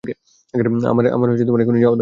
আমার এখনই যাওয়া দরকার।